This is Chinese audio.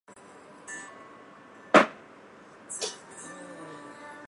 颗粒关公蟹为关公蟹科关公蟹属的动物。